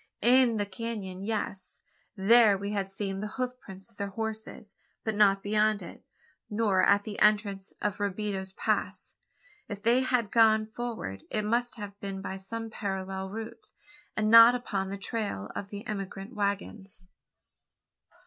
In the canon, yes. There we had seen the hoof prints of their horses: but not beyond it, nor at the entrance of Robideau's Pass. If they had gone forward, it must have been by some parallel route, and not upon the trail of the emigrant waggons?